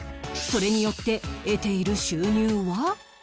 それによって得ている収入は？